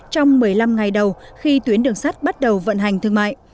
trong một mươi năm ngày đầu khi tuyến đường sắt bắt đầu vận hành thương mại